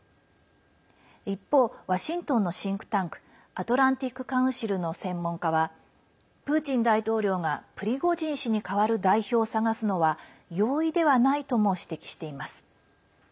一方、ワシントンのシンクタンクアトランティック・カウンシルの専門家はプーチン大統領がプリゴジン氏に替わる代表を探すのは容易ではないとも指摘しています。